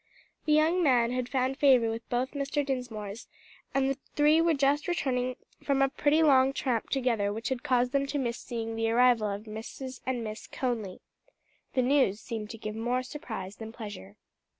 The young man had found favor with both Mr. Dinsmores, and the three were just returning from a pretty long tramp together which had caused them to miss seeing the arrival of Mrs. and Miss Conly. The news seemed to give more surprise than pleasure.